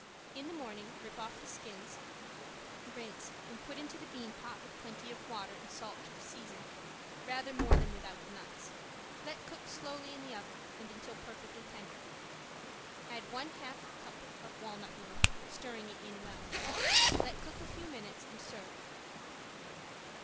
In the morning rip off the skins, rinse and put into the bean pot with plenty of water and salt to season, rather more than without the nuts. Let cook slowly in the oven and until perfectly tender; add one half cup of walnut meal, stirring it in well; let cook a few minutes, and serve.